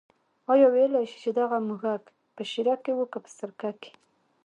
آیا ویلای شې چې دغه موږک په شېره کې و که په سرکه کې.